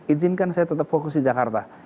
ijinkan saya tetap fokus di jakarta